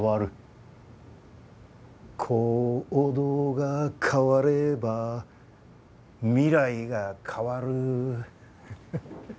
行動が変われば未来が変わる。